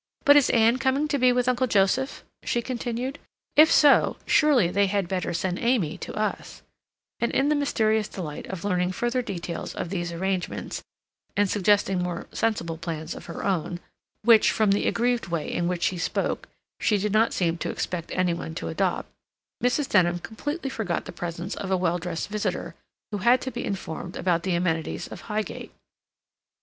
"But is Ann coming to be with Uncle Joseph?" she continued. "If so, surely they had better send Amy to us—" and in the mysterious delight of learning further details of these arrangements, and suggesting more sensible plans of her own, which, from the aggrieved way in which she spoke, she did not seem to expect any one to adopt, Mrs. Denham completely forgot the presence of a well dressed visitor, who had to be informed about the amenities of Highgate.